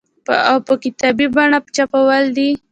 او په کتابي بڼه چاپول دي